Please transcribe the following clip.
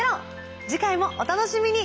次回もお楽しみに。